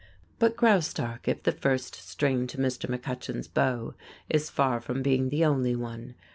But Graustark, if the first string to Mr. McCutcheon's bow, is far from being the only one.